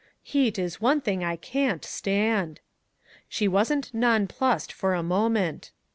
Heat is the one thing I CAN'T stand.' She wasn't nonplussed for a moment.